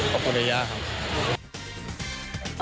ขอบคุณยายาครับ